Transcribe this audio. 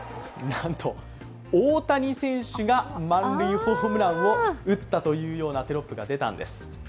なんと、大谷選手が満塁ホームランを打ったというようなテロップが出たんです。